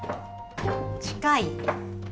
近い。